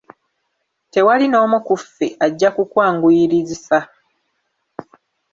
Tewali n'omu ku ffe ajja kukwanguyirizisa.